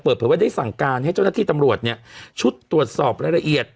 เปิดเผยว่าได้สั่งการให้เจ้าหน้าที่ตำรวจเนี่ยชุดตรวจสอบรายละเอียด